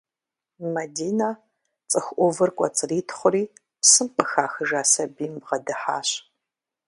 Мадинэ цӏыху ӏувыр кӏуэцӏритхъури псым къыхахыжа сабийм бгъэдыхьащ.